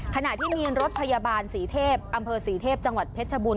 ขณะที่มีรถพยาบาลสีเทพอำเภอศรีเทพจังหวัดเพชรบูร